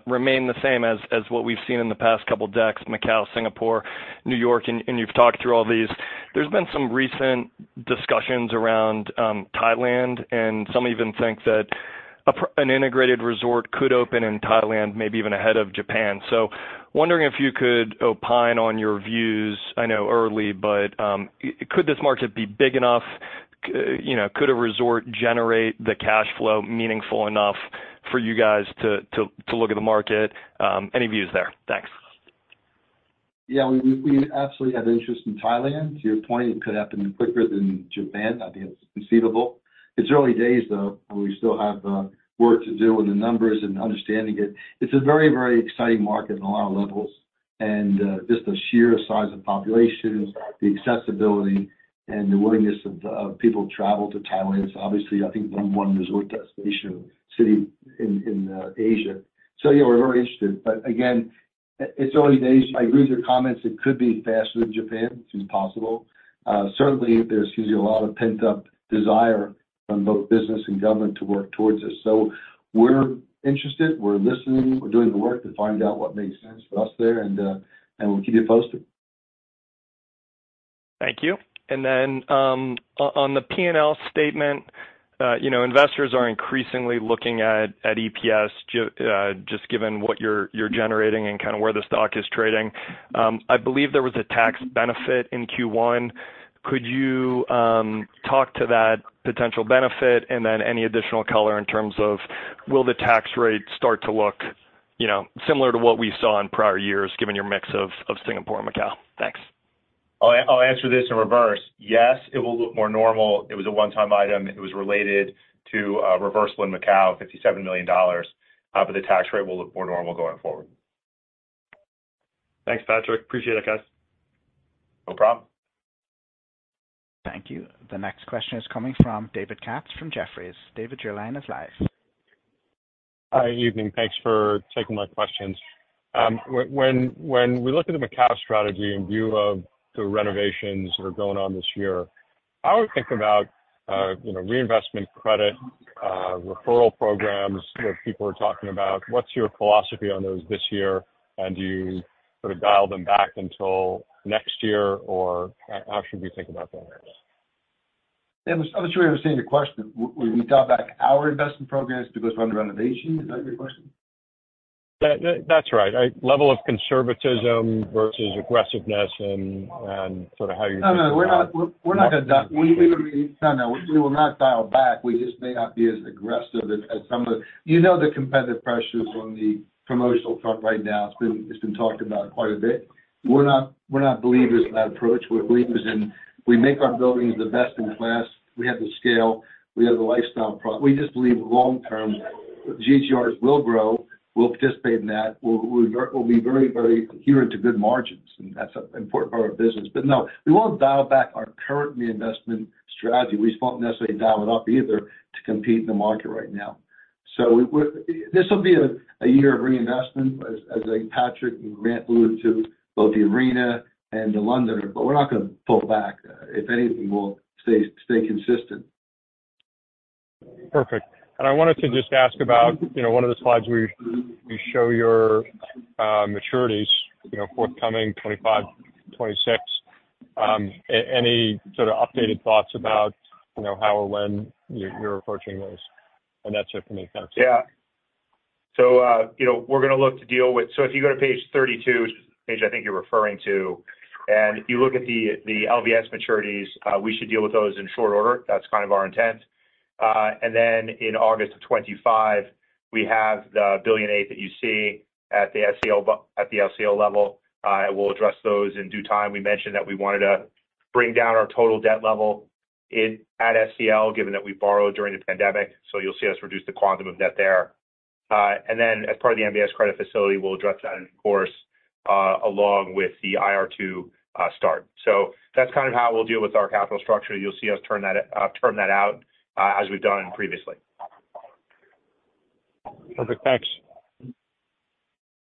remain the same as what we've seen in the past couple of decks, Macao, Singapore, New York, and you've talked through all these. There's been some recent discussions around Thailand, and some even think that an integrated resort could open in Thailand, maybe even ahead of Japan. So wondering if you could opine on your views. I know early, but could this market be big enough? You know, could a resort generate the cash flow meaningful enough for you guys to look at the market? Any views there? Thanks. Yeah, we absolutely have interest in Thailand. To your point, it could happen quicker than Japan. I think it's conceivable. It's early days, though, and we still have work to do with the numbers and understanding it. It's a very, very exciting market on a lot of levels, and just the sheer size of population, the accessibility and the willingness of the people to travel to Thailand is obviously, I think, the number one resort destination city in Asia. So yeah, we're very interested. But again, it's early days. I agree with your comments, it could be faster than Japan. It's possible. Certainly, there seems to be a lot of pent-up desire from both business and government to work towards this. So we're interested, we're listening, we're doing the work to find out what makes sense for us there, and, and we'll keep you posted. Thank you. And then on the P&L statement, you know, investors are increasingly looking at EPS, just given what you're generating and kind of where the stock is trading. I believe there was a tax benefit in Q1. Could you talk to that potential benefit? And then any additional color in terms of will the tax rate start to look, you know, similar to what we saw in prior years, given your mix of Singapore and Macao? Thanks. I'll answer this in reverse. Yes, it will look more normal. It was a one-time item. It was related to a reversal in Macao, $57 million, but the tax rate will look more normal going forward. Thanks, Patrick. Appreciate it, guys. No problem. Thank you. The next question is coming from David Katz from Jefferies. David, your line is live. Hi, evening. Thanks for taking my questions. When we look at the Macao strategy in view of the renovations that are going on this year, I would think about, you know, reinvestment credit, referral programs, you know, people are talking about. What's your philosophy on those this year? And do you sort of dial them back until next year, or how should we think about those? Yeah, I'm not sure I understand the question. We dial back our investment programs because we're under renovation? Is that your question? That, that's right. A level of conservatism versus aggressiveness and, and sort of how you- No, no, we're not, we're not gonna dial back. We just may not be as aggressive as some of the- You know, the competitive pressures on the promotional front right now, it's been talked about quite a bit. We're not believers in that approach. We're believers in, we make our buildings the best in class. We have the scale, we have the lifestyle pro- we just believe long term, GGRs will grow. We'll participate in that. We'll be very adherent to good margins, and that's an important part of our business. But no, we won't dial back our current reinvestment strategy. We won't necessarily dial it up either to compete in the market right now. So this will be a year of reinvestment, as Patrick and Grant alluded to, both the Arena and The Londoner, but we're not gonna pull back. If anything, we'll stay consistent. Perfect. And I wanted to just ask about, you know, one of the slides where you show your maturities, you know, forthcoming 2025, 2026. Any sort of updated thoughts about, you know, how or when you're approaching those? And that's it for me, thanks. Yeah. So, you know, we're gonna look to deal with. So if you go to page 32, which is the page I think you're referring to, and if you look at the LVS maturities, we should deal with those in short order. That's kind of our intent. And then in August of 2025, we have the $1.008 billion that you see at the SCL level. We'll address those in due time. We mentioned that we wanted to bring down our total debt level at SCL, given that we borrowed during the pandemic. So you'll see us reduce the quantum of debt there. And then, as part of the MBS credit facility, we'll address that, of course, along with the IR2 start. So that's kind of how we'll deal with our capital structure. You'll see us turn that out, as we've done previously. Perfect. Thanks.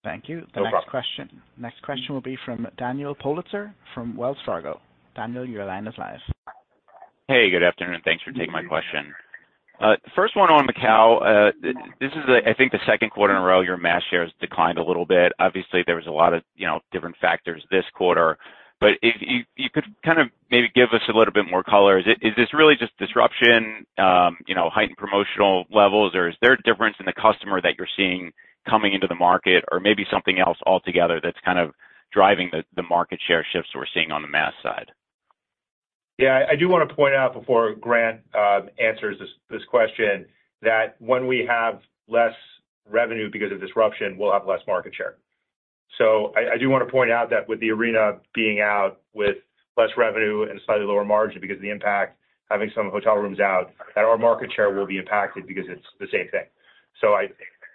Thank you. No problem. The next question will be from Daniel Politzer from Wells Fargo. Daniel, your line is live. Hey, good afternoon. Thanks for taking my question. First one on Macao. This is, I think the second quarter in a row, your mass shares declined a little bit. Obviously, there was a lot of, you know, different factors this quarter. But if you could kind of maybe give us a little bit more color. Is this really just disruption, you know, heightened promotional levels, or is there a difference in the customer that you're seeing coming into the market, or maybe something else altogether that's kind of driving the market share shifts we're seeing on the mass side? Yeah, I do want to point out before Grant answers this question, that when we have less revenue because of disruption, we'll have less market share. So I do want to point out that with the arena being out with less revenue and slightly lower margin because of the impact, having some hotel rooms out, that our market share will be impacted because it's the same thing. So,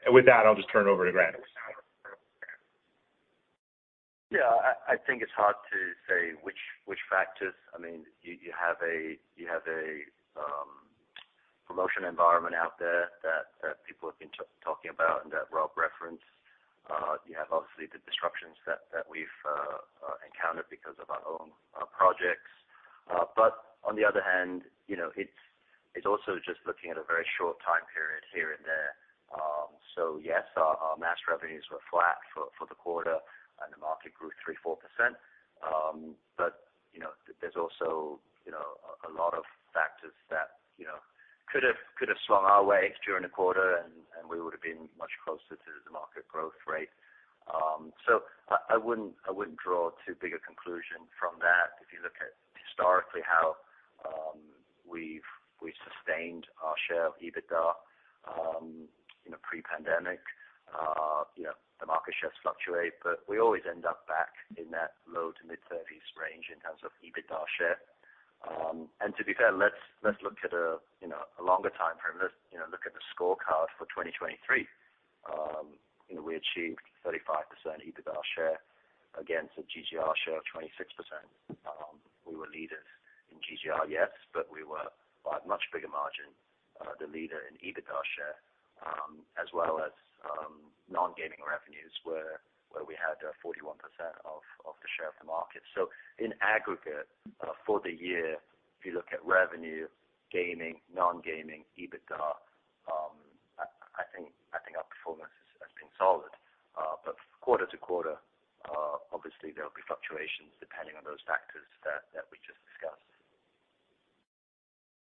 with that, I'll just turn it over to Grant. Yeah, I think it's hard to say which factors. I mean, you have a-... promotion environment out there that people have been talking about and that Rob referenced. You have obviously the disruptions that we've encountered because of our own projects. But on the other hand, you know, it's also just looking at a very short time period here and there. So yes, our mass revenues were flat for the quarter, and the market grew 3%-4%. But, you know, there's also, you know, a lot of factors that, you know, could have swung our way during the quarter, and we would've been much closer to the market growth rate. So I wouldn't draw too big a conclusion from that. If you look at historically how we've sustained our share of EBITDA, you know, pre-pandemic, you know, the market share fluctuate, but we always end up back in that low to mid-30s range in terms of EBITDA share. To be fair, let's look at a longer time frame. Let's look at the scorecard for 2023. You know, we achieved 35% EBITDA share against a GGR share of 26%. We were leaders in GGR, yes, but we were, by a much bigger margin, the leader in EBITDA share, as well as non-gaming revenues, where we had 41% of the share of the market. So in aggregate, for the year, if you look at revenue, gaming, non-gaming, EBITDA, I think our performance has been solid. But quarter to quarter, obviously there will be fluctuations depending on those factors that we just discussed.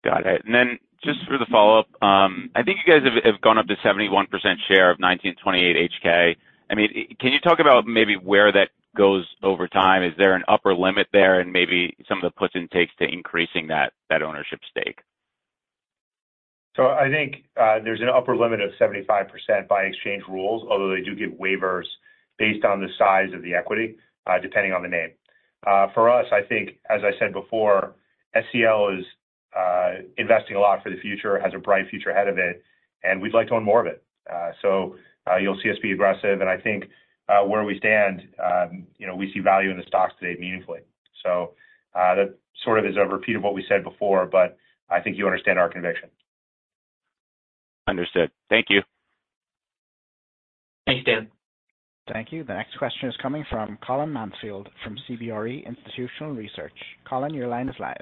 Got it. And then just for the follow-up, I think you guys have gone up to 71% share of 1928 HK. I mean, can you talk about maybe where that goes over time? Is there an upper limit there and maybe some of the puts and takes to increasing that ownership stake? So I think, there's an upper limit of 75% by exchange rules, although they do give waivers based on the size of the equity, depending on the name. For us, I think, as I said before, SCL is investing a lot for the future, has a bright future ahead of it, and we'd like to own more of it. So, you'll see us be aggressive, and I think, where we stand, you know, we see value in the stocks today meaningfully. So, that sort of is a repeat of what we said before, but I think you understand our conviction. Understood. Thank you. Thanks, Dan. Thank you. The next question is coming from Colin Mansfield, from CBRE Institutional Research. Colin, your line is live.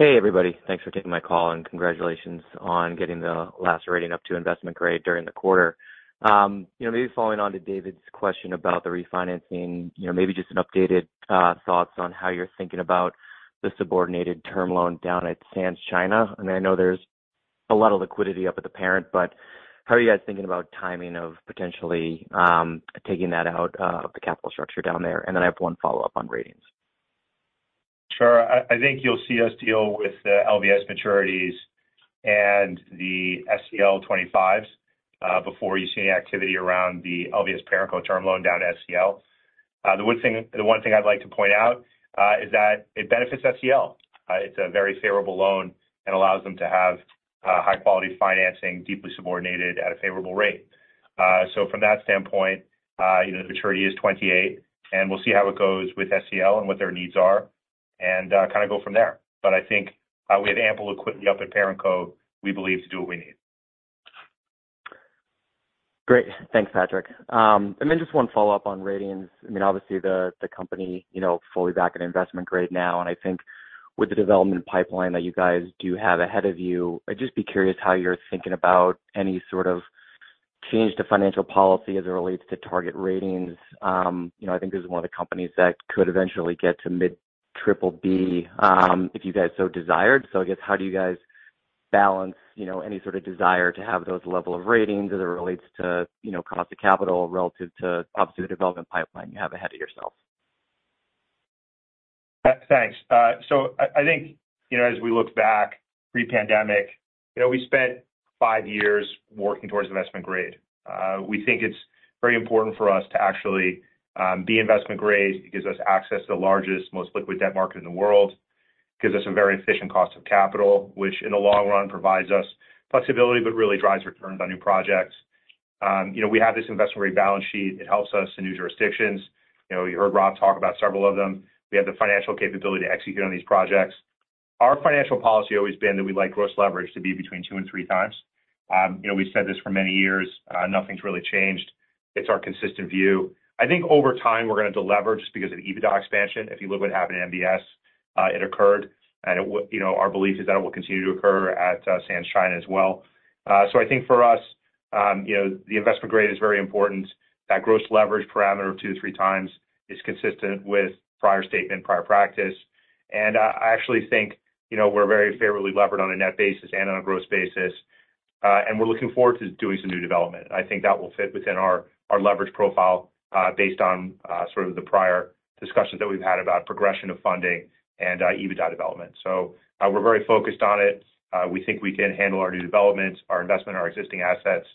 Hey, everybody. Thanks for taking my call, and congratulations on getting the last rating up to investment grade during the quarter. You know, maybe following on to David's question about the refinancing, you know, maybe just an updated thoughts on how you're thinking about the subordinated term loan down at Sands China. I mean, I know there's a lot of liquidity up at the parent, but how are you guys thinking about timing of potentially taking that out of the capital structure down there? And then I have one follow-up on ratings. Sure. I think you'll see us deal with the LVS maturities and the SCL 2025s before you see any activity around the LVS parent co term loan down at SCL. The one thing, the one thing I'd like to point out is that it benefits SCL. It's a very favorable loan and allows them to have high quality financing, deeply subordinated at a favorable rate. So from that standpoint, you know, the maturity is 2028, and we'll see how it goes with SCL and what their needs are, and kind of go from there. But I think we have ample liquidity up at parent co, we believe, to do what we need. Great. Thanks, Patrick. And then just one follow-up on ratings. I mean, obviously, the company, you know, fully back at investment grade now, and I think with the development pipeline that you guys do have ahead of you, I'd just be curious how you're thinking about any sort of change to financial policy as it relates to target ratings. You know, I think this is one of the companies that could eventually get to mid triple B, if you guys so desired. So I guess, how do you guys balance, you know, any sort of desire to have those level of ratings as it relates to, you know, cost of capital relative to obviously the development pipeline you have ahead of yourselves? Thanks. So I think, you know, as we look back pre-pandemic, you know, we spent five years working towards investment grade. We think it's very important for us to actually be investment grade. It gives us access to the largest, most liquid debt market in the world. Gives us a very efficient cost of capital, which in the long run, provides us flexibility, but really drives returns on new projects. You know, we have this investment grade balance sheet. It helps us in new jurisdictions. You know, you heard Rob talk about several of them. We have the financial capability to execute on these projects. Our financial policy has always been that we like gross leverage to be between 2x and 3x. You know, we've said this for many years, nothing's really changed. It's our consistent view. I think over time, we're gonna deleverage because of EBITDA expansion. If you look what happened in MBS, it occurred, and you know, our belief is that it will continue to occur at Sands China as well. So I think for us, you know, the investment grade is very important. That gross leverage parameter of 2x-3x is consistent with prior statement, prior practice. I actually think, you know, we're very favorably levered on a net basis and on a gross basis. And we're looking forward to doing some new development. I think that will fit within our, our leverage profile, based on sort of the prior discussions that we've had about progression of funding and EBITDA development. So we're very focused on it. We think we can handle our new developments, our investment, our existing assets,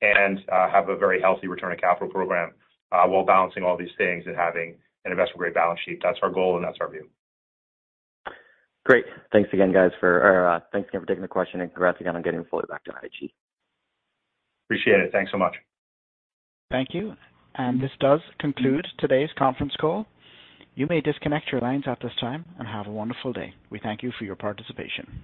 and have a very healthy return on capital program, while balancing all these things and having an investment-grade balance sheet. That's our goal, and that's our view. Great. Thanks again, guys, for taking the question and congrats again on getting fully back to IG. Appreciate it. Thanks so much. Thank you. This does conclude today's conference call. You may disconnect your lines at this time and have a wonderful day. We thank you for your participation.